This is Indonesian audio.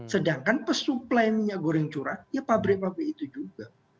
sedangkan pesuplai minyak goreng curah ya pabrik pabrik itu juga